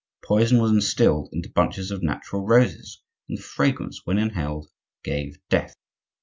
Poison was instilled into bunches of natural roses, and the fragrance, when inhaled, gave death.